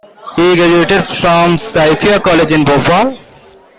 He graduated from Saifiya College in Bhopal.